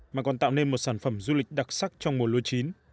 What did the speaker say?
mà còn tạo nên một sản phẩm du lịch đặc sắc trong mùa lưu chín